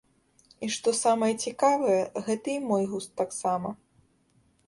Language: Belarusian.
І, штос самае цікавае, гэта і мой густ таксама.